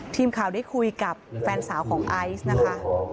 ทีมข่าวได้คุยกับแฟนสาวของไอซ์นะคะ